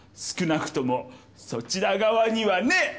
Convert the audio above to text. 少なくともそちら側にはね！